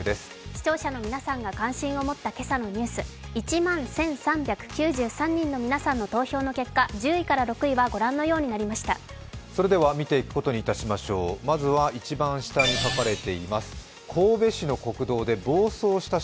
視聴者の皆さんが関心を持った今朝のニュース１万１３９３人の皆さんの投票の結果、１０位から６位は御覧のようになりました。